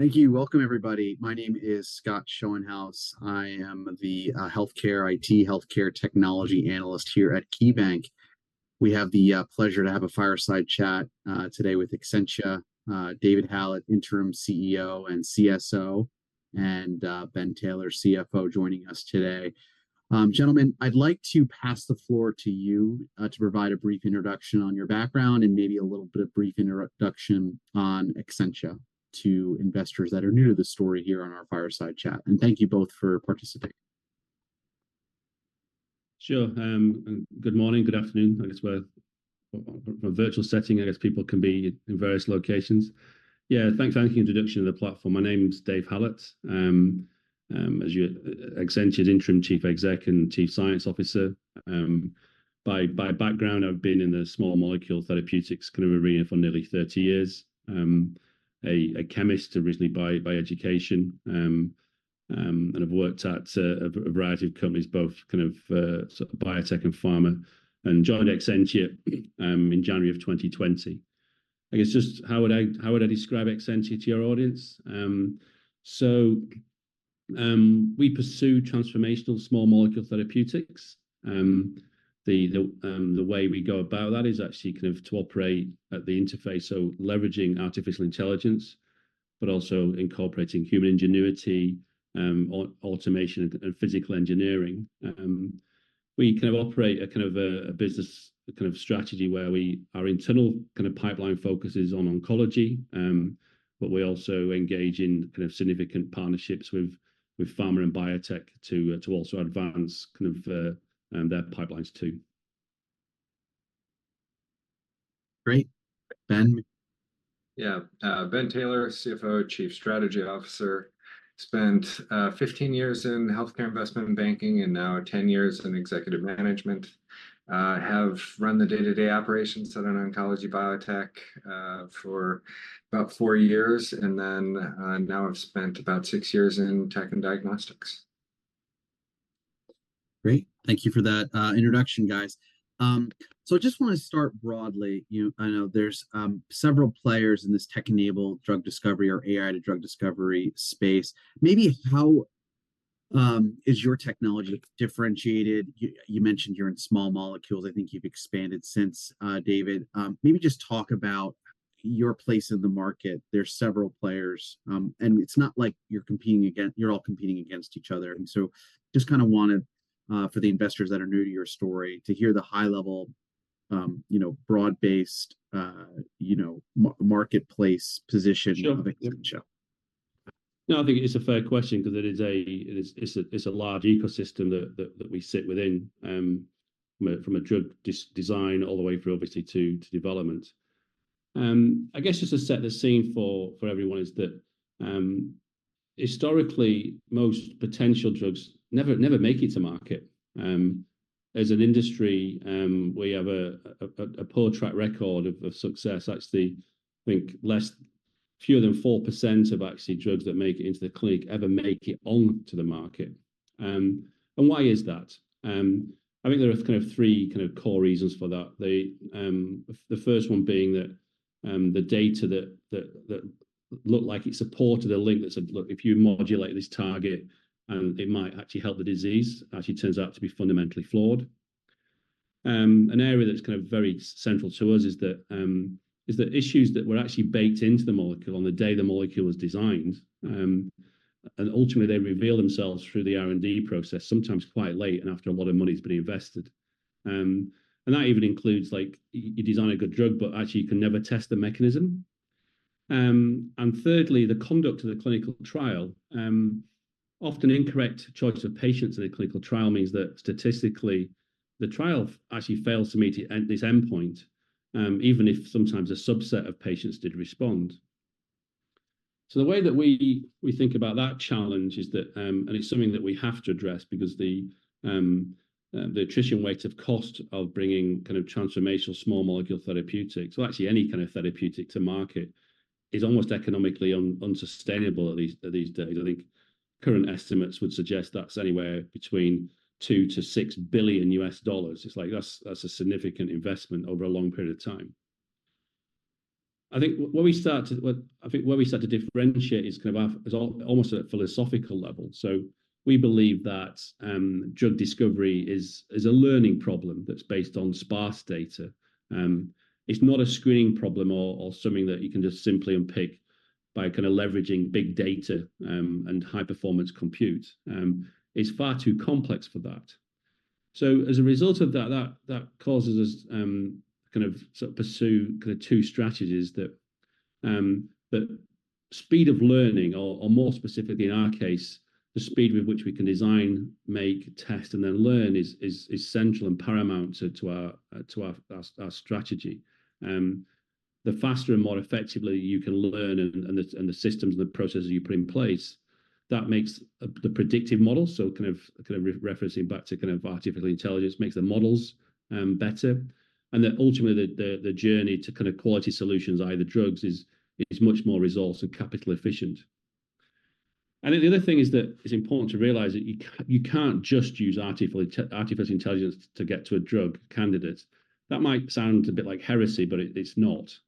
Thank you. Welcome, everybody. My name is Scott Schoenhaus. I am the healthcare IT, healthcare technology analyst here at KeyBanc. We have the pleasure to have a fireside chat today with Exscientia. David Hallett, Interim CEO and CSO, and Ben Taylor, CFO, joining us today. Gentlemen, I'd like to pass the floor to you to provide a brief introduction on your background and maybe a little bit of brief introduction on Exscientia to investors that are new to the story here on our fireside chat, and thank you both for participating. Sure. Good morning, good afternoon. I guess we're a virtual setting. I guess people can be in various locations. Yeah, thanks for introduction to the platform. My name is Dave Hallett. As Exscientia's Interim Chief Exec and Chief Science Officer. By background, I've been in the small molecule therapeutics kind of arena for nearly 30 years. A chemist originally by education. I've worked at a variety of companies, both kind of biotech and pharma, and joined Exscientia in January of 2020. I guess just how would I describe Exscientia to your audience? So, we pursue transformational small molecule therapeutics. The way we go about that is actually kind of to operate at the interface, so leveraging artificial intelligence, but also incorporating human ingenuity, automation and physical engineering. We kind of operate a kind of business kind of strategy where our internal kind of pipeline focuses on oncology, but we also engage in kind of significant partnerships with pharma and biotech to also advance kind of their pipelines too. Great. Ben? Yeah. Ben Taylor, CFO, Chief Strategy Officer. Spent 15 years in healthcare investment banking and now 10 years in executive management. Have run the day-to-day operations at an oncology biotech for about four years, and then now I've spent about six years in tech and diagnostics. Great. Thank you for that, introduction, guys. So I just wanna start broadly. You... I know there's, several players in this tech-enabled drug discovery or AI to drug discovery space. Maybe how, is your technology differentiated? You mentioned you're in small molecules. I think you've expanded since, David. Maybe just talk about your place in the market. There's several players, and it's not like you're competing against-- you're all competing against each other. And so just kinda wanted, for the investors that are new to your story, to hear the high level, you know, broad-based, you know, marketplace position- Sure... of Exscientia. No, I think it's a fair question 'cause it is a large ecosystem that we sit within, from a drug design all the way through, obviously, to development. I guess just to set the scene for everyone is that, historically, most potential drugs never make it to market. As an industry, we have a poor track record of success. Actually, I think fewer than 4% of actual drugs that make it into the clinic ever make it onto the market. And why is that? I think there are kind of three core reasons for that. The first one being that the data that looked like it supported a link that said, "Look, if you modulate this target, it might actually help the disease," actually turns out to be fundamentally flawed. An area that's kind of very central to us is that issues that were actually baked into the molecule on the day the molecule was designed, and ultimately they reveal themselves through the R&D process, sometimes quite late and after a lot of money's been invested. And that even includes, like, you design a good drug, but actually you can never test the mechanism. And thirdly, the conduct of the clinical trial. Often incorrect choice of patients in a clinical trial means that statistically, the trial actually fails to meet it... At this endpoint, even if sometimes a subset of patients did respond. So the way that we think about that challenge is that, and it's something that we have to address because the attrition rate of cost of bringing kind of transformational small molecule therapeutics, or actually any kind of therapeutic to market, is almost economically unsustainable at these days. I think current estimates would suggest that's anywhere between $2 billion-$6 billion. It's like that's a significant investment over a long period of time. I think where we start to differentiate is kind of at almost at a philosophical level. So we believe that drug discovery is a learning problem that's based on sparse data. It's not a screening problem or something that you can just simply unpick by kind of leveraging big data and high-performance compute. It's far too complex for that. So as a result of that, that causes us kind of sort of pursue kind of two strategies that that speed of learning, or more specifically in our case, the speed with which we can design, make, test, and then learn, is central and paramount to our strategy. The faster and more effectively you can learn and the systems and the processes you put in place, that makes the predictive model, so kind of re-referencing back to kind of artificial intelligence, makes the models better. And then ultimately, the journey to kind of quality solutions, either drugs, is much more resource and capital efficient.... I think the other thing is that it's important to realize that you can't just use artificial intelligence to get to a drug candidate. That might sound a bit like heresy, but it, it's not.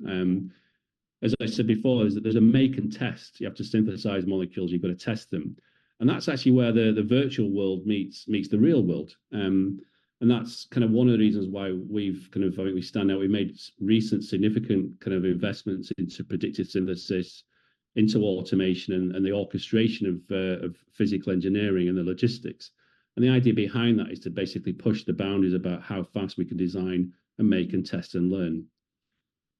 As I said before, that there's a make and test. You have to synthesize molecules, you've got to test them, and that's actually where the virtual world meets the real world. And that's kind of one of the reasons why we've kind of, I think we stand out. We've made recent significant kind of investments into predictive synthesis, into automation, and the orchestration of physical engineering and the logistics. The idea behind that is to basically push the boundaries about how fast we can design and make and test and learn.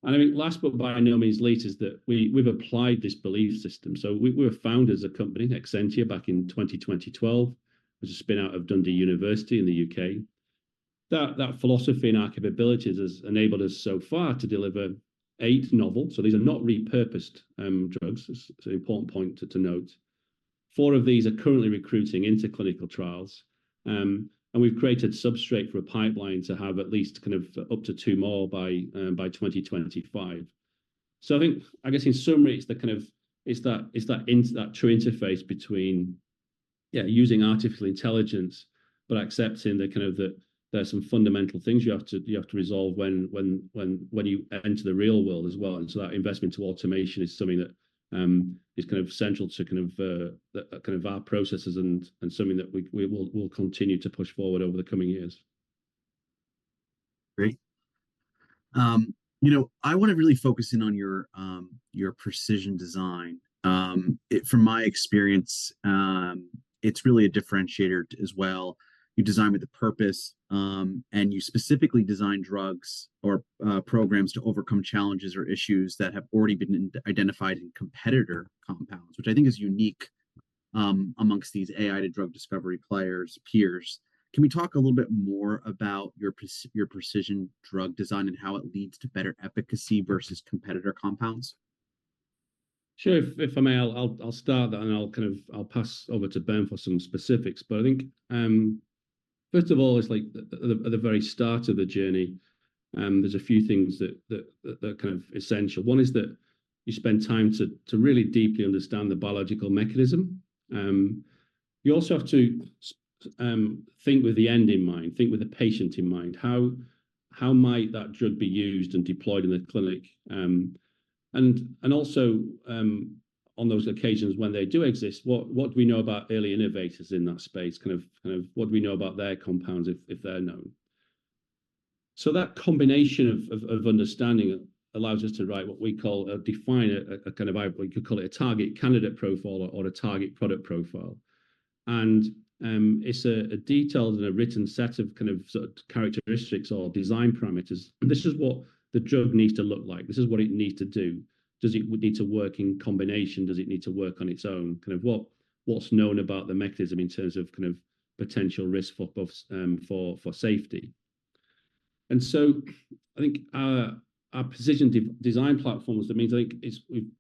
I think last but by no means least is that we've applied this belief system. We were founded as a company, Exscientia, back in 2012 as a spinout of University of Dundee in the U.K. That philosophy and our capabilities has enabled us so far to deliver eight novel, so these are not repurposed, drugs. It's an important point to note. Four of these are currently recruiting into clinical trials, and we've created substrate for a pipeline to have at least kind of up to two more by 2025. So I think, I guess in summary, it's the kind of—it's that, it's that that true interface between, yeah, using artificial intelligence, but accepting the kind of the there are some fundamental things you have to resolve when you enter the real world as well. And so that investment to automation is something that is kind of central to kind of our processes and something that we will continue to push forward over the coming years. Great. You know, I wanna really focus in on your your precision design. From my experience, it's really a differentiator as well. You design with a purpose, and you specifically design drugs or programs to overcome challenges or issues that have already been identified in competitor compounds, which I think is unique, amongst these AI to drug discovery players, peers. Can we talk a little bit more about your your precision drug design and how it leads to better efficacy versus competitor compounds? Sure. If I may, I'll start that, and I'll kind of... I'll pass over to Ben for some specifics. But I think, first of all, it's like at the very start of the journey, there's a few things that are kind of essential. One is that you spend time to really deeply understand the biological mechanism. You also have to think with the end in mind, think with the patient in mind. How might that drug be used and deployed in the clinic? And also, on those occasions when they do exist, what do we know about early innovators in that space? Kind of what do we know about their compounds if they're known? So that combination of understanding allows us to write what we call a target candidate profile or a target product profile. It's a detailed and written set of kind of sort of characteristics or design parameters. This is what the drug needs to look like. This is what it needs to do. Does it need to work in combination? Does it need to work on its own? Kind of what's known about the mechanism in terms of kind of potential risk for both for safety. So I think our precision design platforms, that means, I think, is we've.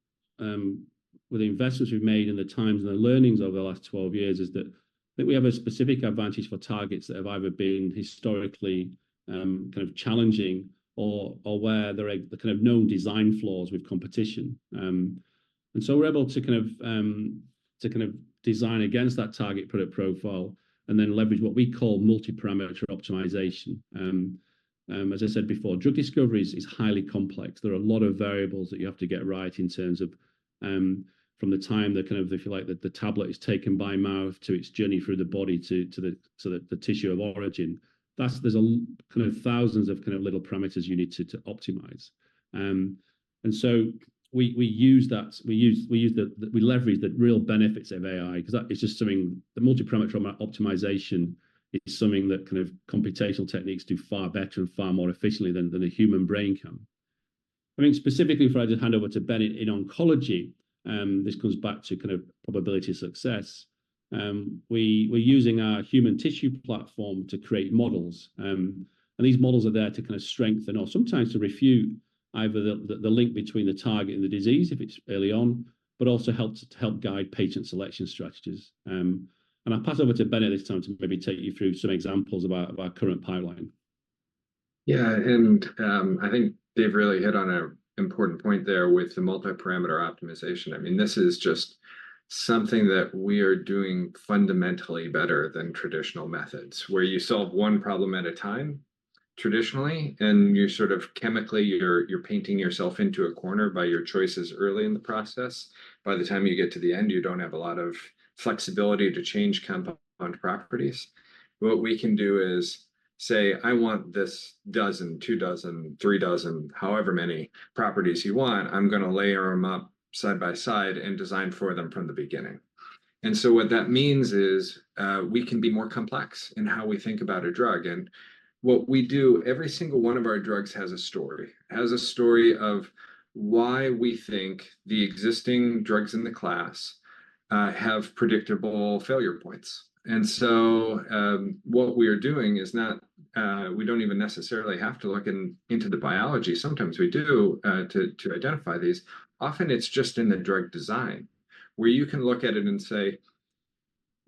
With the investments we've made and the times and the learnings over the last 12 years, is that we have a specific advantage for targets that have either been historically kind of challenging or where there are kind of known design flaws with competition. And so we're able to kind of to kind of design against that target product profile and then leverage what we call multiparameter optimization. As I said before, drug discovery is highly complex. There are a lot of variables that you have to get right in terms of from the time that kind of, if you like, that the tablet is taken by mouth, to its journey through the body to the tissue of origin. That's. There's a kind of thousands of kind of little parameters you need to optimize. And so we use that. We leverage the real benefits of AI because that is just something, the multiparameter optimization is something that kind of computational techniques do far better and far more efficiently than a human brain can. I mean, specifically before I hand over to Ben, in oncology, this comes back to kind of probability of success. We're using our human tissue platform to create models, and these models are there to kind of strengthen or sometimes to refute either the link between the target and the disease, if it's early on, but also help guide patient selection strategies. And I'll pass over to Ben at this time to maybe take you through some examples of our current pipeline. Yeah, and I think Dave really hit on an important point there with the multiparameter optimization. I mean, this is just something that we are doing fundamentally better than traditional methods, where you solve one problem at a time, traditionally, and you sort of chemically, you're painting yourself into a corner by your choices early in the process. By the time you get to the end, you don't have a lot of flexibility to change compound properties. What we can do is say, "I want this dozen, two dozen, three dozen," however many properties you want, "I'm gonna layer them up side by side and design for them from the beginning." And so what that means is, we can be more complex in how we think about a drug. And what we do, every single one of our drugs has a story. It has a story of why we think the existing drugs in the class have predictable failure points. And so, what we are doing is not, we don't even necessarily have to look into the biology. Sometimes we do to identify these. Often, it's just in the drug design, where you can look at it and say…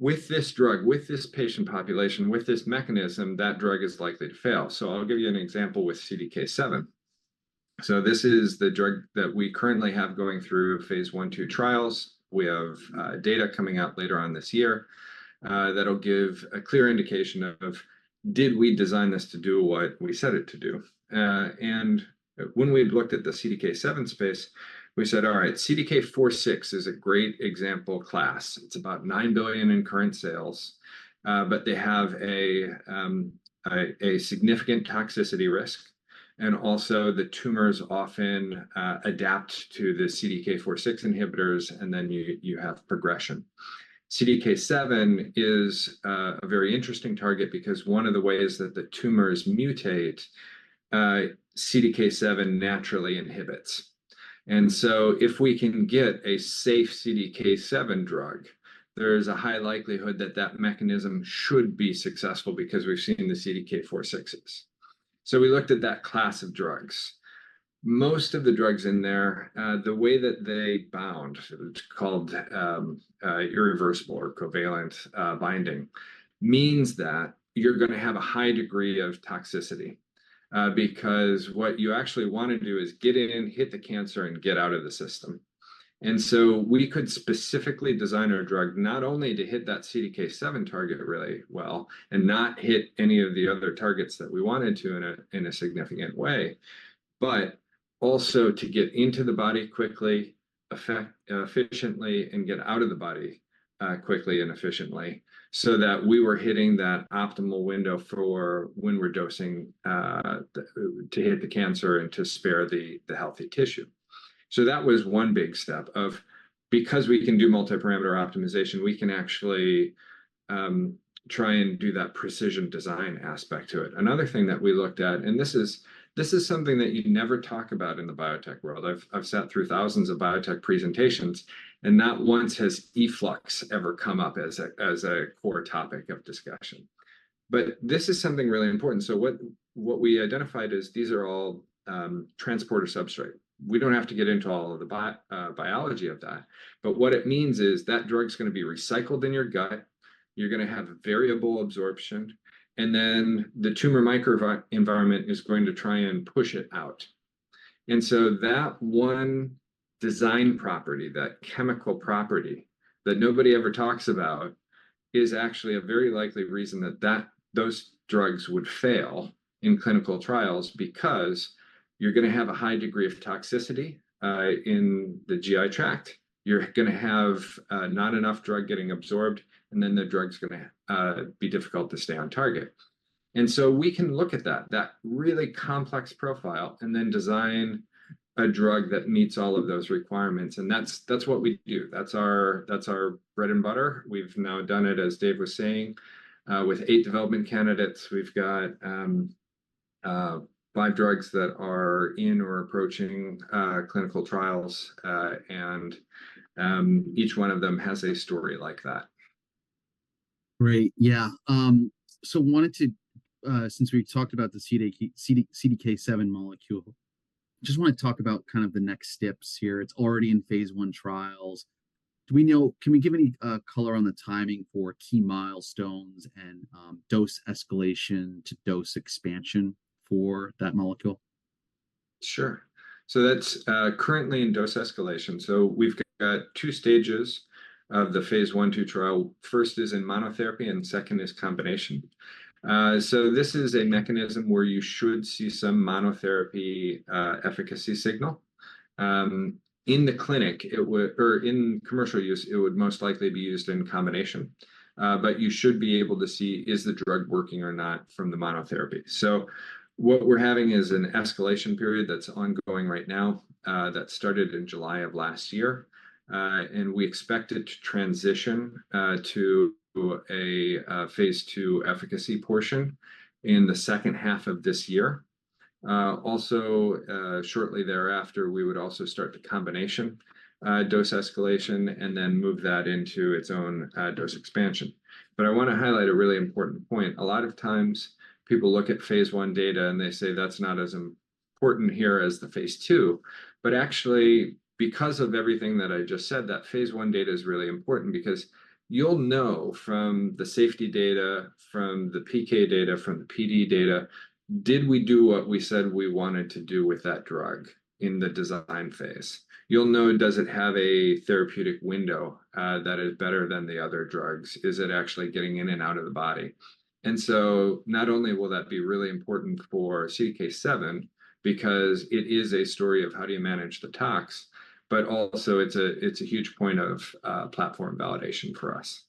with this drug, with this patient population, with this mechanism, that drug is likely to fail. So I'll give you an example with CDK7. So this is the drug that we currently have going through Phase 1, 2 trials. We have data coming out later on this year that'll give a clear indication of did we design this to do what we set it to do? And when we looked at the CDK7 space, we said, "All right, CDK4/6 is a great example class." It's about $9 billion in current sales, but they have a significant toxicity risk, and also the tumors often adapt to the CDK4/6 inhibitors, and then you have progression. CDK7 is a very interesting target because one of the ways that the tumors mutate, CDK7 naturally inhibits. And so if we can get a safe CDK7 drug, there is a high likelihood that that mechanism should be successful because we've seen the CDK4/6s. So we looked at that class of drugs. Most of the drugs in there, the way that they bound, it's called irreversible or covalent binding, means that you're gonna have a high degree of toxicity. Because what you actually wanna do is get in, hit the cancer, and get out of the system. And so we could specifically design our drug not only to hit that CDK7 target really well and not hit any of the other targets that we wanted to in a significant way, but also to get into the body quickly, affect efficiently, and get out of the body quickly and efficiently, so that we were hitting that optimal window for when we're dosing to hit the cancer and to spare the healthy tissue. So that was one big step because we can do multiparameter optimization, we can actually try and do that precision design aspect to it. Another thing that we looked at, and this is something that you'd never talk about in the biotech world. I've sat through thousands of biotech presentations, and not once has efflux ever come up as a core topic of discussion. But this is something really important. So what we identified is these are all transporter substrate. We don't have to get into all of the biology of that, but what it means is that drug's gonna be recycled in your gut, you're gonna have variable absorption, and then the tumor microenvironment is going to try and push it out. And so that one design property, that chemical property that nobody ever talks about, is actually a very likely reason that... Those drugs would fail in clinical trials because you're gonna have a high degree of toxicity in the GI tract, you're gonna have not enough drug getting absorbed, and then the drug's gonna be difficult to stay on target. And so we can look at that, that really complex profile, and then design a drug that meets all of those requirements, and that's, that's what we do. That's our, that's our bread and butter. We've now done it, as Dave was saying, with eight development candidates. We've got five drugs that are in or approaching clinical trials. And each one of them has a story like that. Great, yeah. So wanted to, since we talked about the CDK- CD- CDK7 molecule, just wanna talk about kind of the next steps here. It's already in Phase 1 trials. Do we know... Can we give any color on the timing for key milestones and dose escalation to dose expansion for that molecule? Sure. So that's currently in dose escalation. So we've got two stages of the Phase 1/2 trial. First is in monotherapy, and second is combination. So this is a mechanism where you should see some monotherapy efficacy signal. In the clinic, it would... or in commercial use, it would most likely be used in combination. But you should be able to see, is the drug working or not from the monotherapy. So what we're having is an escalation period that's ongoing right now that started in July of last year. And we expect it to transition to a Phase 2 efficacy portion in the second half of this year. Also, shortly thereafter, we would also start the combination dose escalation, and then move that into its own dose expansion. But I wanna highlight a really important point. A lot of times people look at phase 1 data, and they say: "That's not as important here as the Phase 2." But actually, because of everything that I just said, that Phase 1 data is really important because you'll know from the safety data, from the PK data, from the PD data, did we do what we said we wanted to do with that drug in the design phase? You'll know, does it have a therapeutic window that is better than the other drugs? Is it actually getting in and out of the body? And so not only will that be really important for CDK7, because it is a story of how do you manage the tox, but also it's a, it's a huge point of platform validation for us.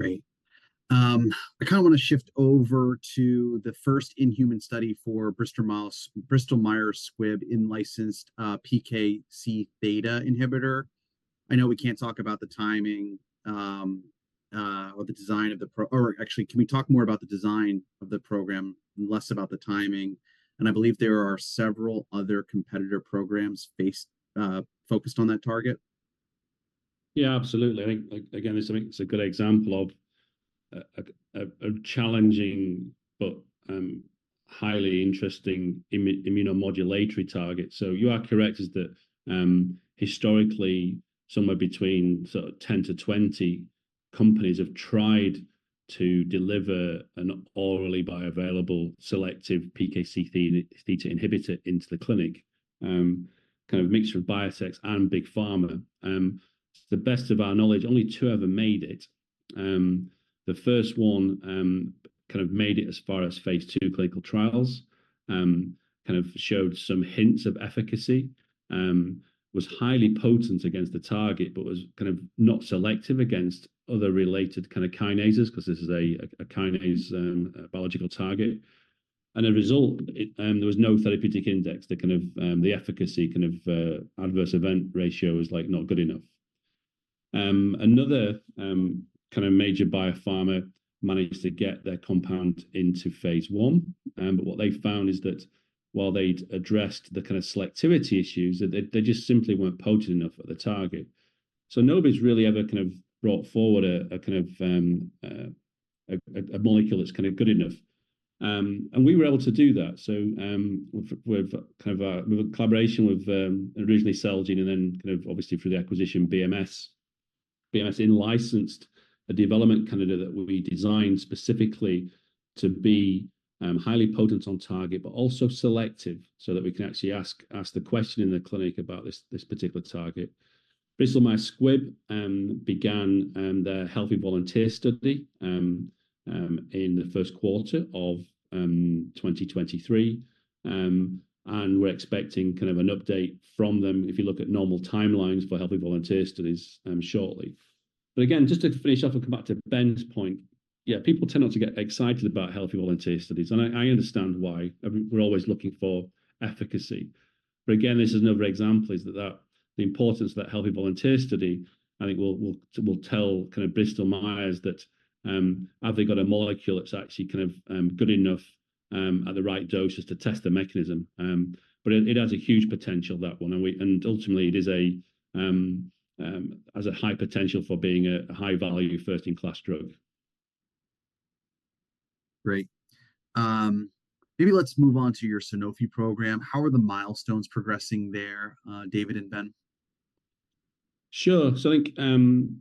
Great. I kinda wanna shift over to the first-in-human study for Bristol Myers, Bristol Myers Squibb in-licensed PKC theta inhibitor. I know we can't talk about the timing or the design of the program and actually, can we talk more about the design of the program and less about the timing? And I believe there are several other competitor programs based, focused on that target. Yeah, absolutely. I think, like, again, this I think it's a good example of a challenging but highly interesting immunomodulatory target. So you are correct in that, historically, somewhere between sort of 10-20 companies have tried to deliver an orally bioavailable, selective PKC theta inhibitor into the clinic. Kind of a mixture of biotechs and big pharma. To the best of our knowledge, only two ever made it. The first one, kind of made it as far as phase two clinical trials. Kind of showed some hints of efficacy, was highly potent against the target, but was kind of not selective against other related kind of kinases, 'cause this is a kinase biological target. As a result, it... There was no therapeutic index to kind of the efficacy, kind of adverse event ratio was, like, not good enough. Another kind of major biopharma managed to get their compound into Phase 1. But what they found is that while they'd addressed the kind of selectivity issues, that they just simply weren't potent enough at the target. So nobody's really ever kind of brought forward a kind of molecule that's kind of good enough. And we were able to do that. So, with a collaboration with originally Celgene, and then kind of obviously through the acquisition, BMS. BMS in-licensed a development candidate that we designed specifically to be highly potent on target, but also selective, so that we can actually ask the question in the clinic about this particular target. Bristol Myers Squibb began their healthy volunteer study in the first quarter of 2023. And we're expecting kind of an update from them, if you look at normal timelines for healthy volunteer studies, shortly. But again, just to finish off and come back to Ben's point, yeah, people tend not to get excited about healthy volunteer studies, and I understand why. We're always looking for efficacy. But again, this is another example of that, that the importance of that healthy volunteer study, I think will tell kind of Bristol Myers that, have they got a molecule that's actually kind of good enough at the right doses to test the mechanism? But it has a huge potential, that one, and ultimately, it is a has a high potential for being a high-value, first-in-class drug. Great. Maybe let's move on to your Sanofi program. How are the milestones progressing there, David and Ben? Sure. So I think kind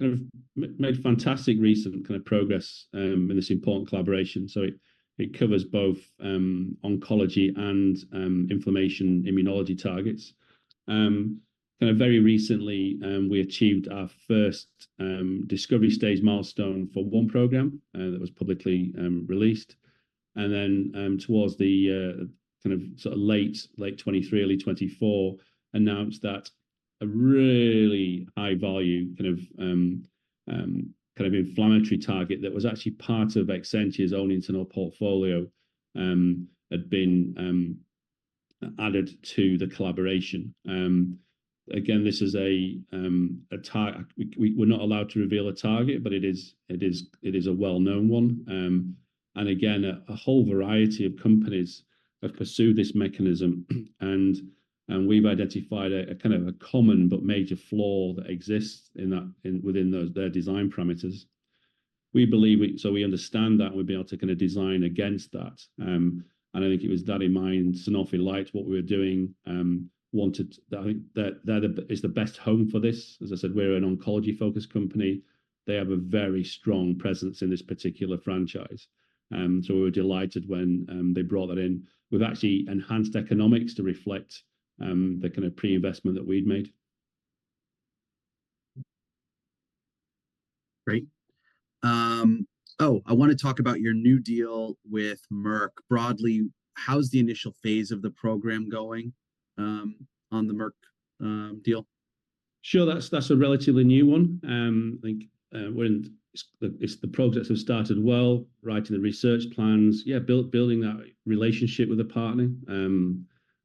of made fantastic recent kind of progress in this important collaboration. So it covers both oncology and inflammation immunology targets. Kind of very recently we achieved our first discovery stage milestone for one program that was publicly released. And then towards the kind of sort of late 2023, early 2024, announced that a really high-value kind of inflammatory target that was actually part of Exscientia's own internal portfolio had been added to the collaboration. Again, this is a target we, we're not allowed to reveal a target, but it is, it is, it is a well-known one. And again, a whole variety of companies have pursued this mechanism, and we've identified a kind of a common but major flaw that exists in that, within their design parameters. So we understand that and we've been able to kinda design against that. And I think with that in mind, Sanofi liked what we were doing. I think that is the best home for this. As I said, we're an oncology-focused company. They have a very strong presence in this particular franchise. So we were delighted when they brought that in. We've actually enhanced economics to reflect the kind of pre-investment that we'd made. Great. Oh, I wanna talk about your new deal with Merck. Broadly, how's the initial phase of the program going, on the Merck, deal? Sure. That's, that's a relatively new one. I think it's the projects have started well, writing the research plans. Yeah, building that relationship with the partner.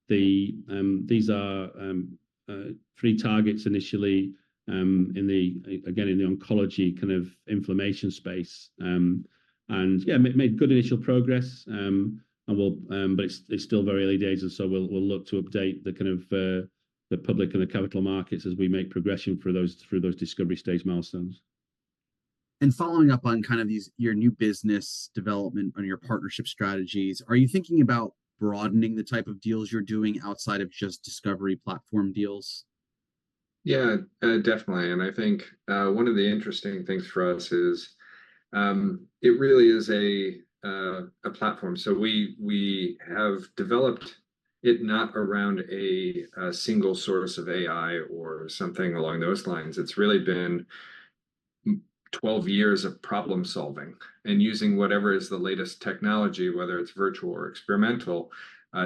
These are three targets initially, in the, again, in the oncology kind of inflammation space. And yeah, made good initial progress. And we'll but it's, it's still very early days, and so we'll, we'll look to update the kind of the public and the capital markets as we make progression through those, through those discovery stage milestones. Following up on kind of these, your new business development and your partnership strategies, are you thinking about broadening the type of deals you're doing outside of just discovery platform deals? Yeah, definitely. And I think, one of the interesting things for us is, it really is a platform. So we have developed it not around a single source of AI or something along those lines. It's really been 12 years of problem-solving and using whatever is the latest technology, whether it's virtual or experimental,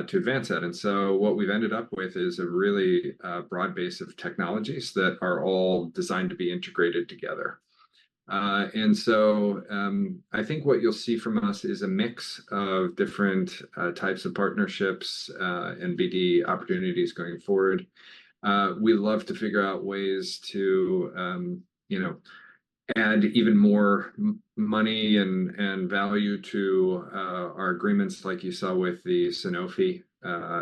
to advance that. And so what we've ended up with is a really, broad base of technologies that are all designed to be integrated together. And so, I think what you'll see from us is a mix of different, types of partnerships, and BD opportunities going forward. We love to figure out ways to, you know-... Add even more money and value to our agreements, like you saw with the Sanofi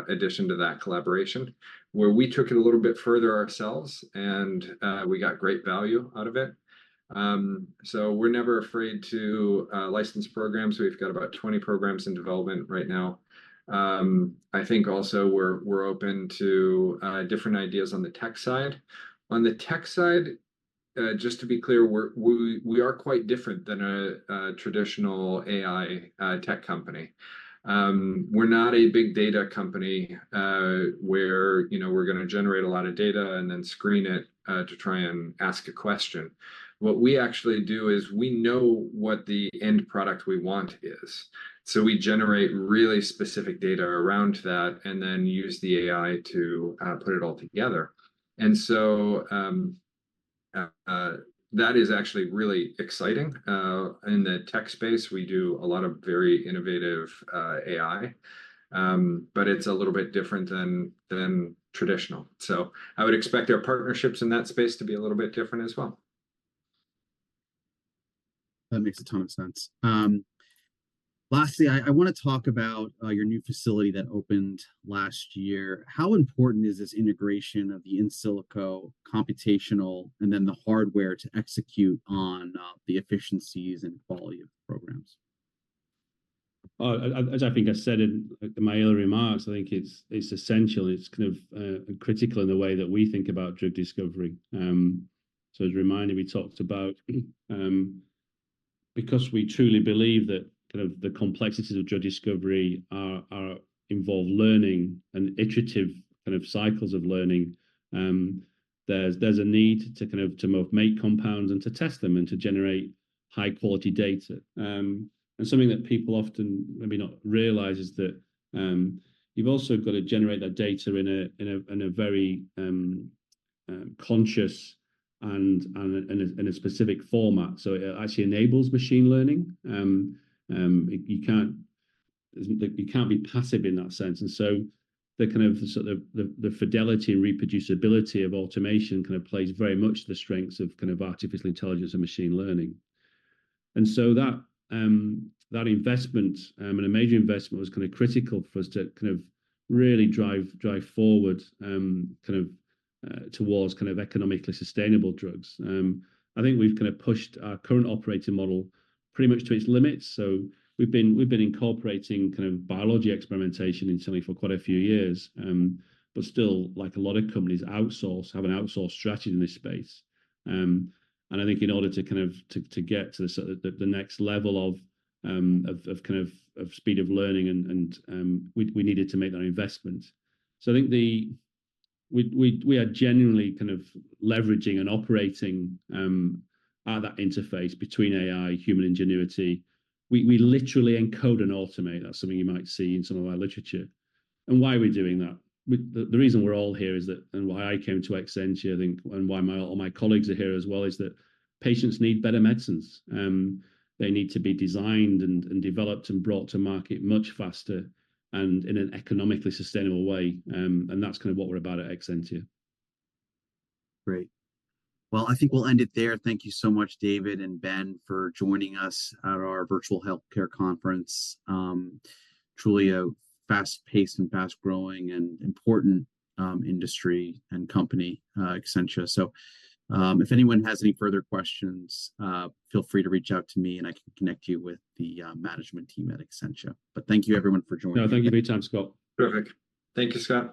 addition to that collaboration, where we took it a little bit further ourselves, and we got great value out of it. So we're never afraid to license programs. We've got about 20 programs in development right now. I think also we're open to different ideas on the tech side. On the tech side, just to be clear, we are quite different than a traditional AI tech company. We're not a big data company, where, you know, we're gonna generate a lot of data and then screen it to try and ask a question. What we actually do is we know what the end product we want is, so we generate really specific data around that and then use the AI to put it all together. That is actually really exciting. In the tech space, we do a lot of very innovative AI, but it's a little bit different than traditional. I would expect our partnerships in that space to be a little bit different as well. That makes a ton of sense. Lastly, I wanna talk about your new facility that opened last year. How important is this integration of the in silico computational, and then the hardware to execute on the efficiencies and volume of programs? As I think I said in my earlier remarks, I think it's essential. It's kind of critical in the way that we think about drug discovery. So as a reminder, we talked about... Because we truly believe that kind of the complexities of drug discovery are involve learning and iterative kind of cycles of learning, there's a need to kind of make compounds and to test them and to generate high-quality data. And something that people often maybe not realize is that, you've also got to generate that data in a very conscious and a specific format, so it actually enables machine learning. You can't be passive in that sense. The kind of, sort of the fidelity and reproducibility of automation kind of plays very much to the strengths of kind of artificial intelligence and machine learning. That investment and a major investment was kind of critical for us to kind of really drive forward kind of towards kind of economically sustainable drugs. I think we've kind of pushed our current operating model pretty much to its limits, so we've been incorporating kind of biology experimentation in certainly for quite a few years. But still, like a lot of companies, outsource, have an outsourced strategy in this space. And I think in order to kind of to get to the sort of the next level of kind of speed of learning and we needed to make that investment. So I think we are genuinely kind of leveraging and operating at that interface between AI and human ingenuity. We literally encode and automate. That's something you might see in some of our literature. And why are we doing that? The reason we're all here is that, and why I came to Exscientia, I think, and why all my colleagues are here as well, is that patients need better medicines. They need to be designed and developed and brought to market much faster and in an economically sustainable way. And that's kind of what we're about at Exscientia. Great. Well, I think we'll end it there. Thank you so much, David and Ben, for joining us at our virtual healthcare conference. Truly a fast-paced and fast-growing and important industry and company, Exscientia. If anyone has any further questions, feel free to reach out to me, and I can connect you with the management team at Exscientia. Thank you, everyone, for joining. No, thank you very much, Scott. Perfect. Thank you, Scott.